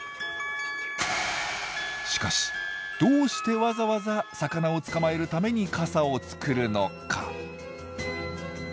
しかしどうしてわざわざ魚を捕まえるために傘を作るのか？